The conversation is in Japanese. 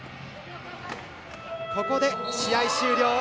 ここで試合終了。